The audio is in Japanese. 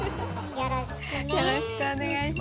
よろしくお願いします。